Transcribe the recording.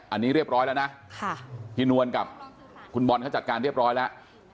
อันนี้เรียบร้อยแล้วนะพี่นวลกับคุณบอลเขาจัดการเรียบร้อยแล้ว